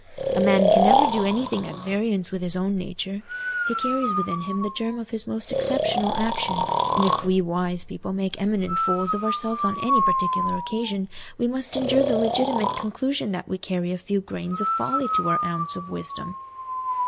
A man can never do anything at variance with his own nature. He carries within him the germ of his most exceptional action; and if we wise people make eminent fools of ourselves on any particular occasion, we must endure the legitimate conclusion that we carry a few grains of folly to our ounce of wisdom."